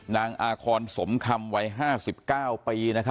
นางอาคอนสมคำวัยห้าสิบเก้าปี